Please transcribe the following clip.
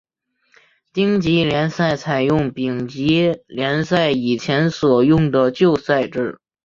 丁级联赛采取丙级联赛以前所用的旧赛制。